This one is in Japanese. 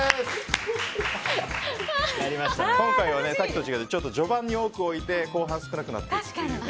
今回はさっきと違って序盤に多く置いて後半、少なくなっていくというね。